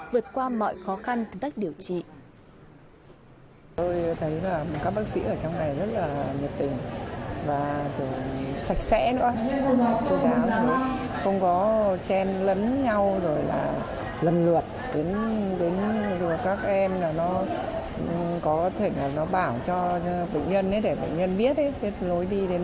vượt qua mọi khó khăn từ cách điều trị